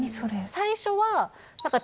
最初は。